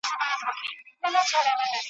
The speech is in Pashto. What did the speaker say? یک تنها مو تر منزله رسېده دي `